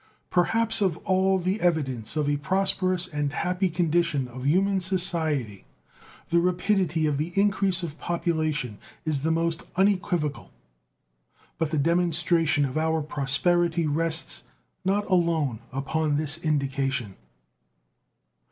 Perhaps of all the evidence of a prosperous and happy condition of human society the rapidity of the increase of population is the most unequivocal. But the demonstration of our prosperity rests not alone upon this indication.